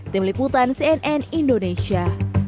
tim liputan cnn indonesia